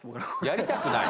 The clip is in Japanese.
やりたくない？